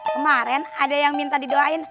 kemarin ada yang minta didoain